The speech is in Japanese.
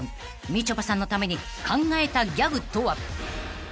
［みちょぱさんのために考えたギャグとは？］